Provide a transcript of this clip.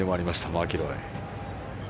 マキロイ。